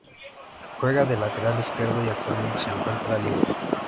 Juega de Lateral izquierdo y actualmente se encuentra libre.